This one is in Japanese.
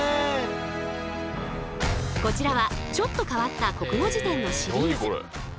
こちらはちょっと変わった国語辞典のシリーズ。